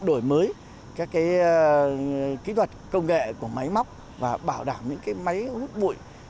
đổi mới các kỹ thuật công nghệ của máy móc và bảo đảm những máy hút bụi